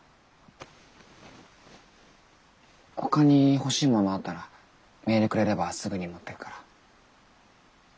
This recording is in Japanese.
ほかに欲しいものあったらメールくれればすぐに持っていくから。